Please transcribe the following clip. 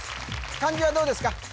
漢字はどうですか？